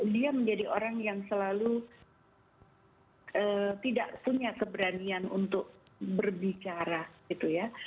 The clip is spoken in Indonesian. dia menjadi orang yang selalu tidak punya keberanian untuk berbicara gitu ya